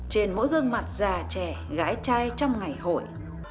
trên mỗi gương mặt già trẻ gái trai trong ngày hội